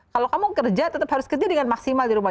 kalau kamu kerja tetap harus kerja dengan maksimal di rumah